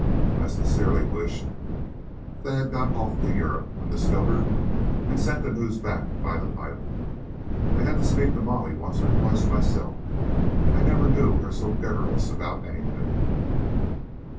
I sincerely wish they had got off to Europe undiscovered and sent the news back by the pilot. I had to speak to Molly once or twice myself; I never knew her so garrulous about anything."